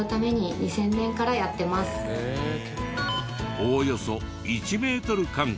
おおよそ１メートル間隔。